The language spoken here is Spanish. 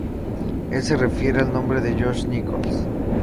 Él se refiere al nombre de Josh Nichols.